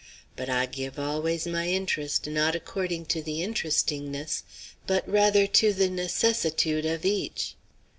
But I give always my interest, not according to the interestingness, but rather to the necessitude, of each."